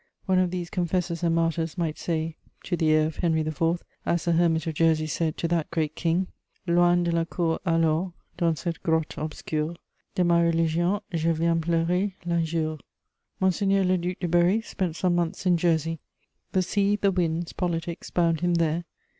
One of these confessors and martyrs might say to the heir of Henry IV., as the hermit of Jersey said to that great king: Loin de la cour alors, dans cette grotte obscure De ma religion je viens pleurer l'injure. "Monseigneur le Duc de Berry spent some months in Jersey; the sea, the winds, politics bound him there.